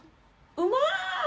うまっ！